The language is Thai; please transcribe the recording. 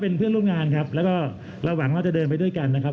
เป็นที่นะครับเดี๋ยวเรามาเดินไปด้วยกันนะครับ